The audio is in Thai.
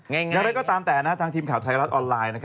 และก็ตามแต่ทางทีมข่าวไทยรัฐออนไลน์